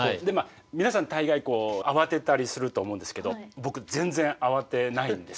皆さん大概慌てたりすると思うんですけど僕全然慌てないんですよ。